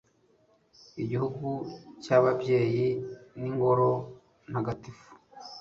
igihugu cyababyaye n'ingoro ntagatifu